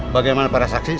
bagaimana para saksi sah